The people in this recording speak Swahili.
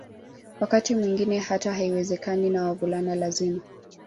Wakati mwingine hata haiwezekani na wavulana lazima